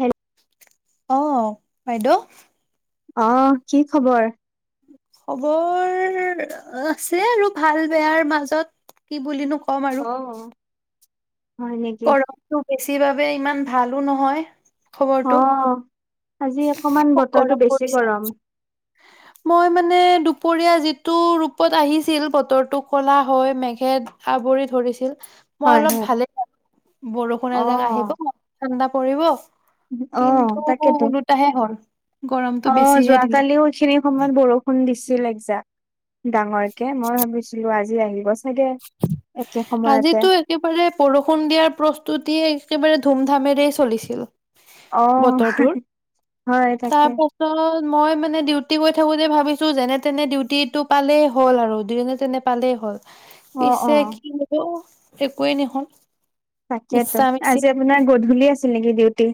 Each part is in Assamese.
হেল অহ বাইদেউ। অ কি খবৰ? খবৰ আছে আৰু ভাল বেয়াৰ মাজত কি বুলি নো কম আৰু। অ'। হয় নেকি? গৰমতটো বেছি বাবে ইমান ভালো নহয়। অ খবৰটো আজি অকমান খুব গৰম বতৰটো বেছি পৰিছে গৰম। মই মানে দুপৰীয়া যিটো ৰূপত আহিছিল বতৰটো কলা হয়। মেঘে আব- বৰি ধৰিছিল। মই হয়, অলপ হয়। ভালেই বৰষুণ এজাক আহিব অ'। ম ঠাণ্ডা পৰিব। অ', কিন্তু তাকেতো। ওলোটাহে হ'ল। গৰমটো অ বেছিহে দিলে যোৱাকালিও এইখিনি সময়ত বৰষুণ দিছিল এক যাক। ডাঙৰকে মই ভাবিছিলো আজি আহিব চাগে। একে সময়তে। আজিতো একেবাৰে বৰষুণ দিয়াৰ প্ৰস্তুতিয়েই একেবাৰে ধুম ধামেৰে চলিছিল অ', বতৰটো হয় তাকে। তাৰপাছত মই মানে ডিউটি গৈ থাকোতে ভাবিছোঁ যেনে তেনে ডিউটিটো পালেই হ'ল আৰু যেনে তেনে পালেই হ'ল। অ', পিছে অ', কিন্তু একোৱেই নহ'ল। তাকেইটো মিছা মিছি আজি আপোনাৰ গধূলি আছিল নেকি ডিউটি?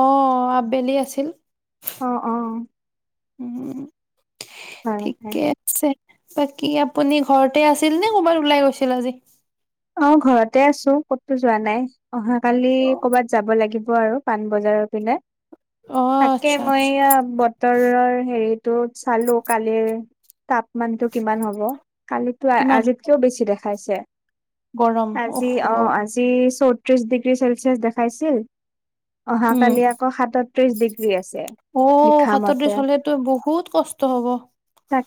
অহ আবেলি আছিল। অ', অ', উম হয়, হয়। ঠিকে আছে বাকী আপ- আপুনি ঘৰতে আছিল নে ক'ৰবাত ওলাই গৈছিল আজি? অ ঘৰতে আছো ক'তো যোৱা নাই অহা কালি কৰ'বাত যাব লাগিব আৰু। পাণবজাৰৰ পিনে, অ তাকে আচ্ছা মই আচ্ছা এয়া বতৰৰ হেৰিত ত চালো কালিৰ তাপমানতটো কিমান হ'ব কালি কিমান আজিতকেও বেছি দেখা- গৰম আজি অহ অ আজি চৌত- ত্ৰিশ ডিগ্ৰী চেলচিয়াছ দেখাইছিল উম অহাকালি আকৌ সাতত্ৰিশ ডিগ্ৰী আছে। অ লিখা মতে সাতত্ৰিশ হলেতো বহুত কষ্ট হ'ব।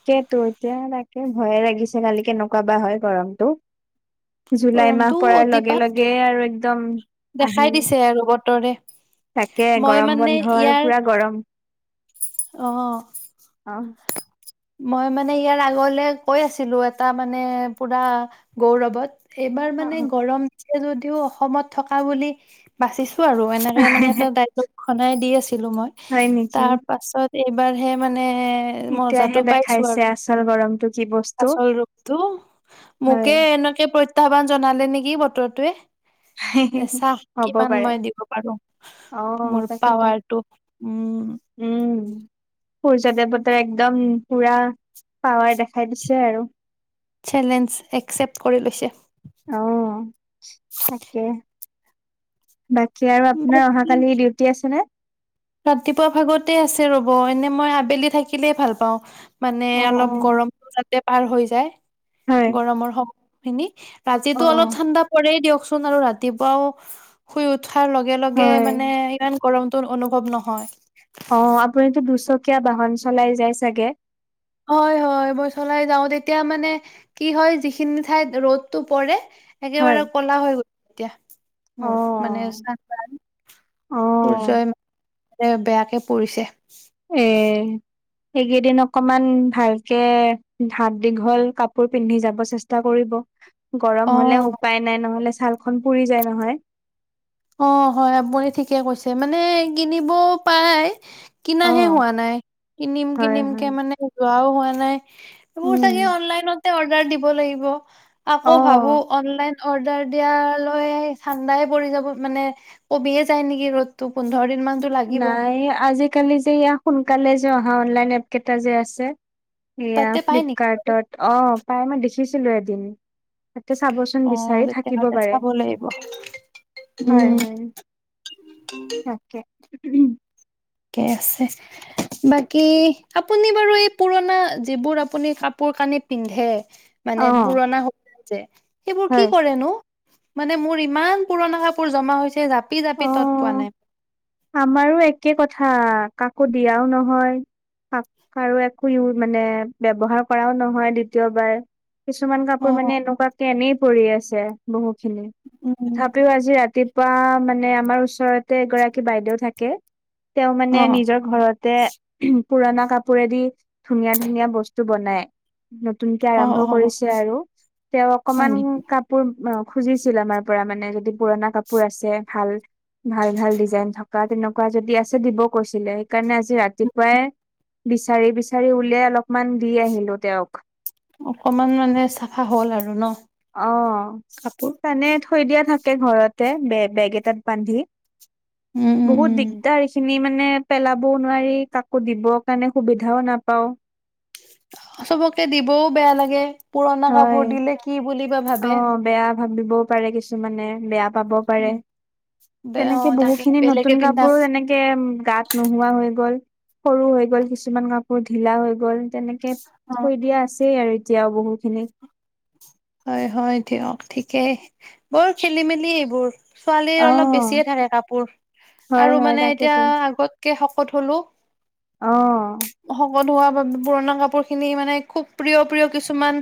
তাকেইটো এতিয়া তাকে ভয়ে লাগিছে কালি কেনেকুৱা বা হয় গৰমতটো? জুলাই মাহ গৰমটো পৰাৰ লগে অতিপাত লগে আৰু একদম দেখাই আহিল। দিছে আৰু বতৰে তাকে মই গৰম বন্ধ আৰু পুৰা গৰম। অহ অ মই মানে ইয়াৰ আগলে কৈ আছিলো এটা মানে পুৰা গৌৰৱত। এইবাৰ মানে অ গৰম দিছে যদিও অসমত থকা বুলি বাচিছ- আৰু এনেকে মানে এটা ডাইলগ খনাই দি আছিলো মই হয় নেকি তাৰ পাছত এইবাৰ হে মান- এতিয়াহে দে- কিছু আৰু আচল ৰূপটো হয়। মোকে এনেকে প্ৰত্যাহ্বান জনালে নেকি বতৰটোৱে। [inaudible] যে চাহ হ'ব কিমান পাৰে মই দিব পাৰো অ' মোৰ তাকেতো পাৱাৰটো উম। উম। সূৰ্য দেৱতাৰ একদম পুৰা পাৱাৰ দেখাই দিছে আৰু। চেলেঞ্জ একচেপ্ট কৰি লৈছে। অঁহ তাকে। বাকী আৰু আপোনাৰ অহাকালি ডিউটি আছেনে? ৰাতিপুৱা ভাগতে আছে ৰ'ব এনে মই আবেলি থাকিলেই ভাল পাওঁ মানে অ' অলপ অ' গৰমটো যাতে পাৰ হৈ যায়। হয় গৰমৰ সময়খিনি, আজিটো অলপ অ' ঠাণ্ডা পৰেই দিয়ক চোন আৰু ৰাতিপুৱাও শুই উঠাৰ লগে লগে হয়। মানে ইমান গৰমতো অনুভৱ নহয়। অঁ আপুনিটো দুচকীয়া বাহন চলাই যায় চাগে হয় হয় মই চলাই যাওঁ তেতিয়া মানে কি হয় যিখিনি ঠাইত ৰ'দটো পৰে একেবাৰে হয় কলা হৈ গ'ল এতিয়া, মোৰ মানে চ অ' অ' সূৰ্যই মানে বেয়াকে পৰিছে। এহ। এইকেইদিন অকমান ভালকে হাত দীঘল কাপোৰ পিন্ধি যাব চেষ্টা কৰি গৰম অ হ'লে উপায় নাই নহ'লে ছালখন পুৰি যায় নহয়। অঁ হয় আপুনি ঠিকে কৈছে। মানে কিনিব পায় অ', কিনাহে হোৱা নাই। কিনিম হয় কিনিম কে হয়। মানে যোৱাও হোৱা নাই। সেইবোৰ উম চাগে অনলাইনতে অৰ্দাৰ দিব লাগিব অ আকৌ ভাবো অনলাইন অৰ্ডাৰ দিয়ালৈ ঠাণ্ডাই পৰি যাব মানে কমিয়ে যায় নেকি ৰ'দতো। নাই আজিকালি যে ইয়া সোনকালে যে অহা অনলাইন এপ কেইটা যে আছে। এয়া তাতে পাই নেকি? ফ্লিপকাৰ্টত অঁ পাই মই দেখিছিলো এদিন। তাতে চাবচোন অ', বিচাৰি থাকিব তেতিয়াহ'লে পাৰে। চাব লাগিব হয় উম, হয়। তাকে, উমহ। ঠিকে আছে। বাকী আপুনি বাৰু এই পুৰণা যিবোৰ আপুনি কাপোৰ কাপোৰ - কানি পিন্ধে অ মানে পুৰণা হয় যে, সেইবোৰ কি হয় কৰেনো? মানে মোৰ ইমান পুৰণা কাপোৰ জমা হৈছে জাপি -জাপি তত পোৱা অঁ, নাই। আমাৰো একে কথা কাকো দিয়াওঁ নহয় শাক আৰু একো ইউ মানে ব্যৱহাৰ কৰাও নহয় দ্বিতীয়বাৰ কিছুমান কাপোৰ মানে অ', এনেকুৱাকে এনেই পৰি আছে বহুখিনি, উম, তথাপিও আজি ৰাতি পুৱা মানে আমাৰ ওচৰতে এগৰাকী বাইদেউ থাকে। তেওঁ মানে অ', নিজৰ ঘৰতে, উমহ পুৰণা কাপোৰেদি ধুনীয়া ধুনীয়া বস্তু বনাই। নতুনকে আৰম্ভ অ', অ', কৰিছে আৰু তেওঁ হয় অকমান নেকি? কাপোৰ অ খুজিছিল আমাৰ পৰা মানে যদি পুৰণা কাপোৰ আছে ভাল ভাল ভাল ডিজাইন থকা তেনেকুৱা কুৱা যদি আছে দিব কৈছিলে। সেইকাৰণে আজি ৰাতিপুৱাই বিচাৰি বিচাৰি উলিয়াই অলপমান দি আহিলো তেওঁক। অকমান মানে চাফা হ'ল আৰু ন। অঁ কাপোৰ? মানে থৈ দিয়া থাকে ঘৰতে বে বেগ এটাত বান্ধি। উম, উম, বহুত উম, দিগদাৰ এইখিনি মানে মানে পেলাবও নোৱাৰি কাকো দিবৰ কাৰণে সুবিধাও নাপাওঁ। চবকে দিবও বেয়া লাগে পুৰণা হয় কাপোৰ দিলে কি বুলি বা অ ভাবে। বেয়া ভাবিবও পাৰে কিছুমানে বেয়া পাব পাৰে। বে তেনেকে অ', তাকে বহুখিনি বেলেগে নতুন পিন্ধা কাপোৰো এনেকে উম গাত নোহোৱা হৈ গ'ল। সৰু হৈ গ'ল। কিছুমান কাপোৰ ঢিলা হৈ গ'ল, তেনেকে অ', থৈ দিয়া আছেই আৰু এতিয়াও বহুখিনি। হয় হয় দিয়ক ঠিকেই, বৰ খেলি-মেলি এইবোৰ। ছোৱালীৰ অ অলপ বেছিয়ে থাকে কাপোৰ, হয় আৰু হয় মানে এতিয়া তাকেতো আগত কে শকত হ'লো। অহ। শকত হোৱা বাবে পুৰণা কাপোৰ খিনি মানে, খুব প্ৰিয়, প্ৰিয় কিছুমান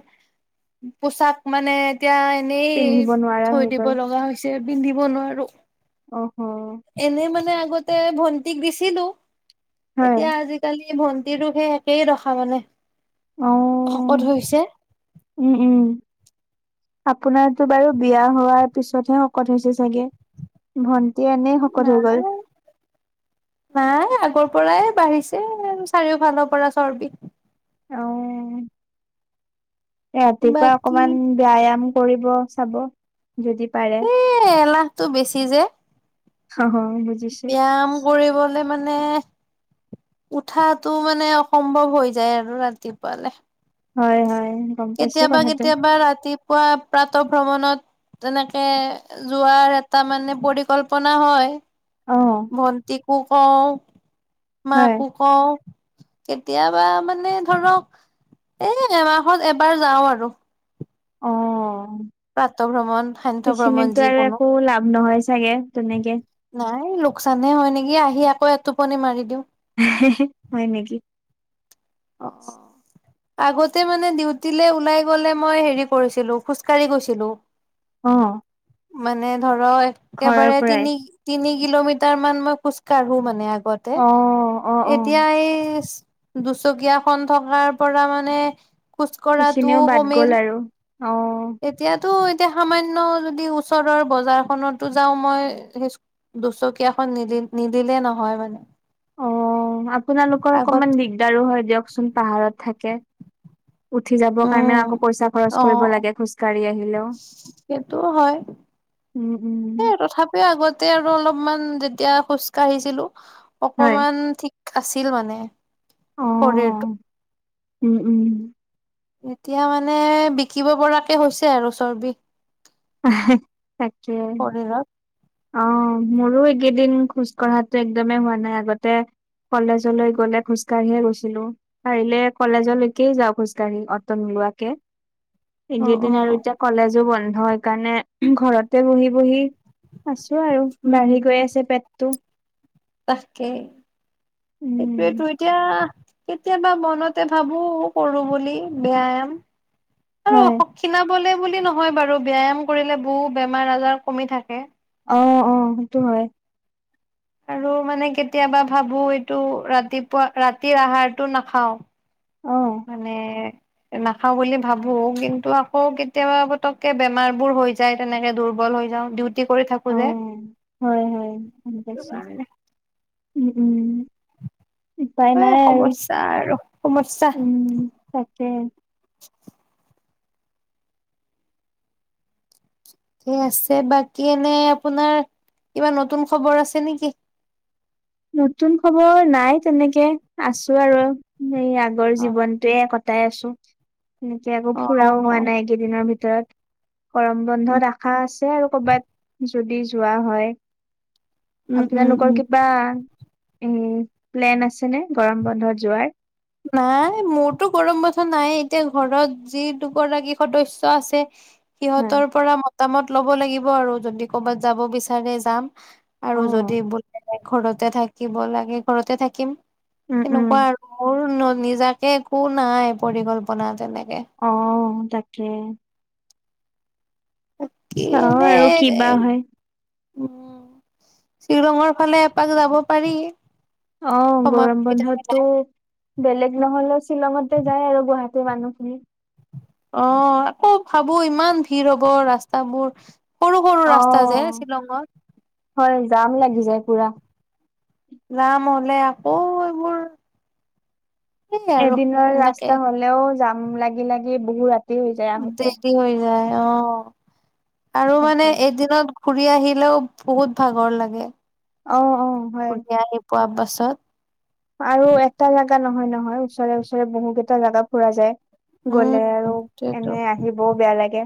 পোচাক মানে এতিয়া এনেই পিন্ধিব নোৱাৰা থৈ হৈ দিব গ'ল লগা হৈছে, পিন্ধিব নোৱাৰো। অহ হ'। এনে মানে আগতে ভণ্টিক দিছিলোঁ, হয় এতিয়া আজিকালি ভণ্টিৰো সেই একেই দশা মানে, অ শকত হৈছে উম উম', আপোনাৰ টো বাৰু বিয়া হোৱা পিছতহে শকত হৈছে চাগে, ভন নাই, নাই আগৰ পৰাই বাঢ়িছে চাৰিওফালৰ পৰা চৰ্বি অহ', ৰাতিপুৱা বাকী অকমান ব্যায়াম কৰিব চাব, যদি পাৰে টো বেছি যে অ বুজিছো ব্যায়াম কৰিবলে মানে মানে, উঠাটো মানে অসম্ভৱ হৈ যায়, আৰু ৰাতিপুৱালে। হয়, হয়। গম পাইছো কেতিয়াবা কথাটো কেতিয়াবা ৰাতিপুৱা প্ৰ প্ৰাত ভ্ৰমণত তেনেকে যোৱাৰ এটা মানে পৰিকল্পনা হয়। অ ভন্টি কো কওঁ, হয় মাকো কওঁ কেতিয়াবা মানে ধৰক এ এমাহত এবাৰ যাও আৰু। অ প্ৰাতঃ ভ্ৰমণ সান্ধ্য ভ্ৰমণ সেইখিনিতো আৰু যিকোনো। একো লাভ নহয় চাগে, তেনেকে নাই লোকচানহে হয় নেকি, আহি আকৌ এটোপনি মাৰি দিওঁ হে, হে, হে, হয় নেকি। অ আগতে মানে ডিউটিলে ওলাই গ'লে মই হেৰি কৰিছিলো, খোজকাঢ়ি গৈছিলো। অহ'। মানে ধৰক একেবাৰে তিনি, তিনি কিলোমিটাৰ মান মই খোজকাঢ়ো মানে আগ আগতে, অ অ অ এতিয়া এই দুচকীয়াখন থকাৰ পৰা মানে, খোজ সেইখিনিও কঢ়াটোও বাদ গ'ল কমিল। আৰু অ এতিয়াতো, এতিয়া সামান্য যদি ওচৰৰ বজাৰখনতো যাও মই সে দুচকীয়াখন নিদি -নিদিলে নহয় মানে। অহ' আপোনালোকৰ আগত অকমান দিগদাৰো হয় দিয়কচোন, পাহাৰত থাকে। উঠি যাবৰ কাৰণেও উম। আকৌ পইচা খৰচ কৰিব অ', লাগে, খোজকাঢ়ি আহিলেও। উম উম সেই তথাপিও আগতে আৰু অলপমান তেতিয়া খোজ কাঢ়িছিলো, হয় অকমান থিক আছিল মানে, অ শৰীৰটো উম', উম'। এতিয়া মানে বিকিব পৰাকে হৈছে আৰু চৰ্বি হে, তাকে। শৰীৰত। অহ' মোৰো এইকেইদিন খোজ কঢ়াতো একদমেই হোৱা নাই, আগতে কলেজলৈ গ'লে খোজকাঢ়িয়ে গৈছিলো, পাৰিলে কলেজলৈকে যাওঁ খোজঢ়ি গাড়ী, অট নোলোৱাকে, অ', এইকেইদিন আৰু অ', এতিয়া কলেজো বন্ধ হয়, কাৰণে ঘৰতে বহি-বহি আছো আৰু, বাঢ়ি উম, গৈ আছে পেট। টো তাকেই, সেইটোৱে টো উম এতিয়া কেতিয়াবা মনতে ভাবো কৰো বুলি ব্যয়াম আৰু হয় অস ক্ষীণাম শোলে বুলি নহয় বাৰু ব ব্যায়াম কৰিলে বহু বেমাৰ আজাৰ কমি থাকে অ অ সেইটো হয় আৰু মানে কেতিয়াবা ভাবো এইটো ৰাতিপুৱা ৰাতিৰ আহাৰটো নাখাও অ মানে নাখাও বুলি ভাবো কিন্তু আকৌ কেতিয়াবা পতকে বেমাৰ বোৰ হৈ যায় তেনেকে দুৰ্বল হৈ [unintelligible] যে অ', হয়-হয় গম সেইটো পাইছো। কাৰণে উম, উম। উপায় এই নাই আৰু সমস্যা আৰু সমস্যা উম তাকে। ঠিক আছে বাকী এনে আপোনাৰ কিবা নতুন খবৰ আছে নেকি? নতুন খবৰ নাই তেনেকে আছো আৰু এই আগৰ অ জীৱনটোৱে ক গোটাই আছো এনেকে আকৌ অ ফুৰাও হোৱা নাই একেইদিনৰ ভিতৰত। গৰম উম বন্ধত আশা আছে আৰু কৰবাত যদি যোৱা হয়। উম উম উম আপোনালোকৰ কিবা উম, প্লেন আছে নে গৰম বন্ধত যোৱাৰ? নহয় মোৰতো গৰম বন্ধ নাই এতিয়া ঘৰত যি দুগৰাকী সদস্য আছে হয় সিহঁতৰ পৰা মতামত ল'ব লাগিব আৰু যদি ক'বাত যাব বিচাৰে যাম অ আৰু যদি বোলে ঘৰত [unintelligible] থাকিব লাগে ঘৰতে থাকিম। উম উম তেনেকুৱা আৰু মোৰ নিজাকে একো নাই পৰিকল্পনা তেনে। [unintelligible] তাকে। [unintelligible] কি চাও এনে আৰু কিবা হয় উম, শিলংৰ ফালে এপাক যাব পাৰি। অ' সময় গৰম সুবিধা মিলাই বন্ধতো বেলেগ নহ'লে শ্বিলঙতে যাওঁ আৰু গুৱাহাটীৰ মানুহখিনি। অ' আকৌ ভাবো ইমান ভিৰ হব ৰাস্তাবোৰ। সৰু সৰু অ ৰাস্তা যে শ্বিলঙত। দাম লাগি যায় পুৰা। যাম হ'লে আকৌ এইবোৰ সেই আৰু এদিনৰ এনেকে ৰাস্তা হলেও যাম লাগি-লাগি বহু ৰাতি হৈ যায় আহোঁতে। দেৰি হৈ যায় অ' আৰু তাকে। মানে এদিনত ঘুৰি আহিলেও বহুত ভাগৰ লাগে। অ অ হয় ঘুৰি আহি পোৱা পাছত আৰু এটা জাগা নহয়-নহয়, ওচৰে-ওচৰে বহু গেটা জাগা ফুৰা যায়। গলে আৰু উম সেইটোৱেতো এনে আহিব বেয়া লাগে।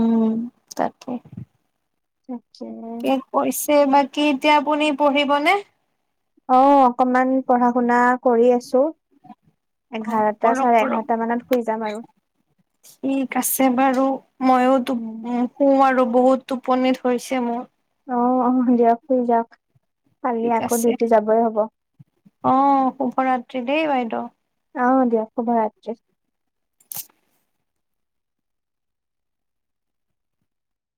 উম, তাকে। তাকে। [unintelligible] কৈছে বাকী এতিয়া আপুনি পঢ়িবনে? অ', অকনমান পঢ়া শুনা কৰি আছো। এঘাৰটা কৰক চাৰে কৰক এঘাৰটা মানত শুই যাম আৰু। ঠিক আছে বাৰু মইওতো উম। [unintelligible] আৰু বহুত টোপনি ধৰিছে মোৰ। অ', অ' দিয়ক শুই যাওক কালি ঠিক আকৌ আছে ডিউটি যাবৈ হব। অ', শুভৰাত্ৰি দেই বাইদেউ। দিয়া শুভৰাত্ৰি।